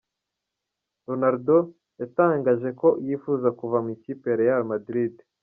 Ronaldo yatangaje ko yifuza kuva mu ikipe ya Real Madrid.